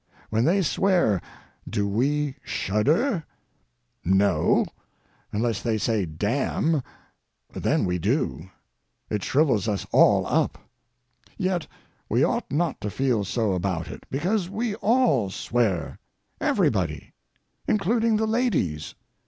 When they swear, do we shudder? No—unless they say "damn!" Then we do. It shrivels us all up. Yet we ought not to feel so about it, because we all swear—everybody. Including the ladies.